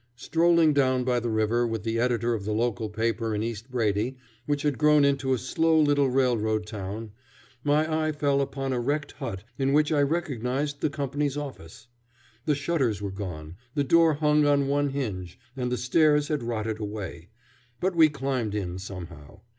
Strolling down by the river with the editor of the local paper in East Brady, which had grown into a slow little railroad town, my eye fell upon a wrecked hut in which I recognized the company's office. The shutters were gone, the door hung on one hinge, and the stairs had rotted away, but we climbed in somehow.